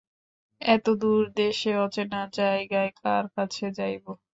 এত দূর দেশে অচেনা জায়গায় কার কাছে যাইব।